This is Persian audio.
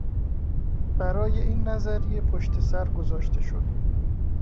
برای این نظریه پشت سر گذاشته شد